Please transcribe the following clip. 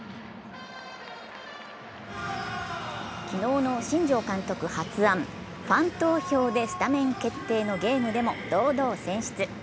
昨日の新庄監督発案、ファン投票でスタメン決定のゲームでも堂々選出。